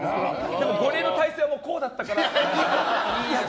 でもゴリエの体勢はこうだったから。